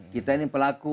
kita ini pelaku